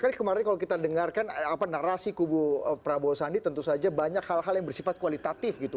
karena kemarin kalau kita dengarkan narasi kubu prabowo sandi tentu saja banyak hal hal yang bersifat kualitatif gitu